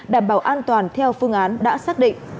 đảm bảo an toàn theo phương án đã xác định